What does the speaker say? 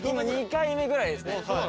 ２回目ぐらいですね。